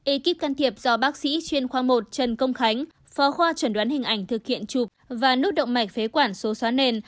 ekip can thiệp do bác sĩ chuyên khoa một trần công khánh phó khoa chuẩn đoán hình ảnh thực hiện chụp và nút động mạch phế quản số xóa nền